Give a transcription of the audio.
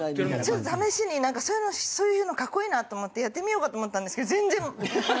ちょっと試しに何かそういうのカッコイイなと思ってやってみようと思ったんですけど全然！